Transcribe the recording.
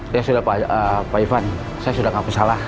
ya sudah pak ivan saya sudah tidak bersalah